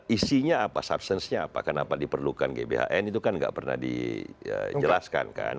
isinya apa substance nya apa kenapa diperlukan gbhn itu kan nggak pernah dijelaskan kan